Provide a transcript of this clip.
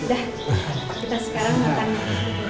kita sekarang mau tanya